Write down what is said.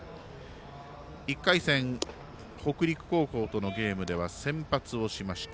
１回戦、北陸高校とのゲーム先発をしました。